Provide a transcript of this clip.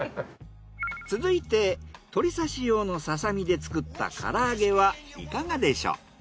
続いて鳥刺し用のササミで作った唐揚げはいかがでしょう？